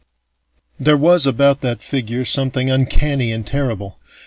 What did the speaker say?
There was about that figure something uncanny and terrible.